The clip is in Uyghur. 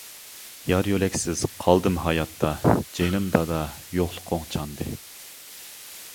يار-يۆلەكسىز قالدىم ھاياتتا، جېنىم دادا يوقلۇقۇڭ چاندى.